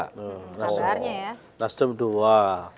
kabarnya ya nasdem dua